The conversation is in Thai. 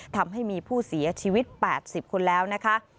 ทำให้มีผู้เสียชีวิต๘๐คนแล้วนะคะ